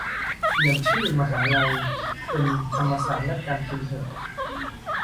เปลี่ยนชื่อมหาลัยเป็นธรรมศาสตร์และการกินเถอะ